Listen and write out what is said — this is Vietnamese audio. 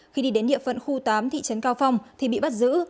khi đi đến địa phận khu tám thị trấn cao phong thì bị bắt giữ